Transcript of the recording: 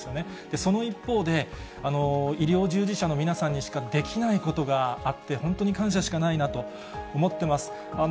その一方で、医療従事者の皆さんにしかできないことがあって、本当に感謝しかないなと思ってます。